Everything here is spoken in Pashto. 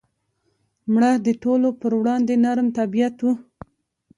مړه د ټولو پر وړاندې نرم طبیعت وه